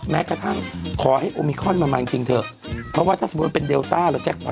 แม้กระทั่งขอให้โอมิคอนมากจริงเถอะเพราะว่าถ้าสมมุติเป็นเดลต้า